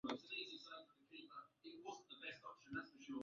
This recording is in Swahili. ndiyo suluhu ya kumaliza tatizo ambalo lipo mbele yetu